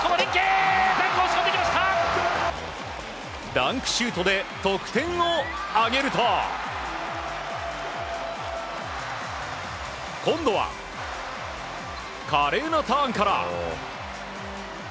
ダンクシュートで得点を挙げると今度は、華麗なターンから。